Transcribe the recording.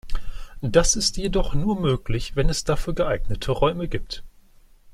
Das ist jedoch nur möglich, wenn es dafür geeignete Räume gibt.